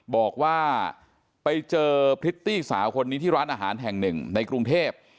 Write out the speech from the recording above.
บอกว่าไปเจอพริตตี้สาวคนนี้ที่ร้านอาหารแห่งหนึ่งในกรุงเทพ